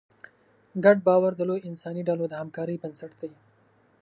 ګډ باور د لویو انساني ډلو د همکارۍ بنسټ دی.